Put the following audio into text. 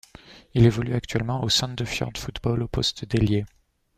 Il évolue actuellement au Sandefjord Fotball au poste d'ailier.